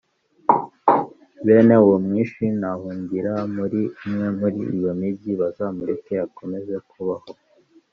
bene uwo mwishi nahungira muri umwe muri iyo migi, bazamureke akomeze kubaho.